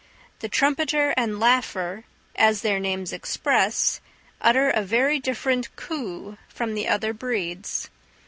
The trumpeter and laugher, as their names express, utter a very different coo from the other breeds.